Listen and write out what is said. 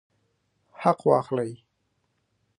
حق واخلئ